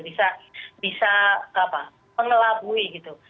bisa mengelabui gitu